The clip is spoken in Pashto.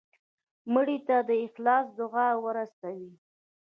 مړه ته د اخلاص دعا ورسوې